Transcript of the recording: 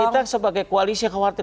kita sebagai koalisi khawatir